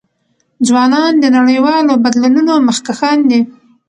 ځوانان د نړیوالو بدلونونو مخکښان دي.